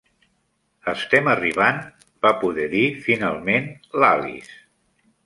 "Estem arribant?" va poder dir finalment l'Alice.